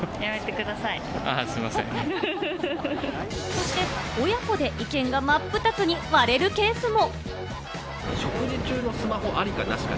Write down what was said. そして親子で意見が真っ二つに割れるケースも。